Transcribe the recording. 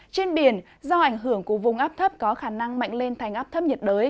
trên biển do ảnh hưởng của vùng áp thấp có khả năng mạnh lên thành áp thấp nhiệt đới